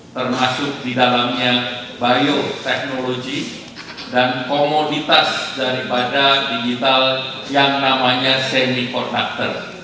termasuk di dalamnya biotechnology dan komoditas daripada digital yang namanya semiconductor